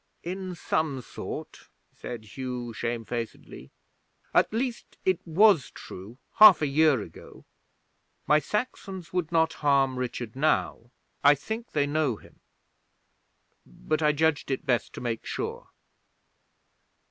'"In some sort," said Hugh shamefacedly; "at least, it was true half a year ago. My Saxons would not harm Richard now. I think they know him but I judged it best to make sure."